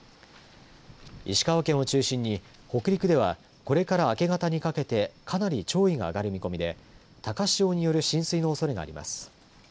石川県を中心に北陸ではこれから明け方にかけてかなり潮位が上がる見込みで高潮による浸水のおそれがあります。